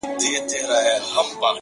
مُلا سړی سو په خپل وعظ کي نجلۍ ته ويل،